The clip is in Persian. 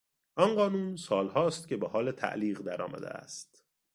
آن قانون سالها است که به حال تعلیق در آمده است.